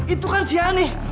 itu kan si ani